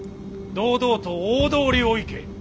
堂々と大通りを行け。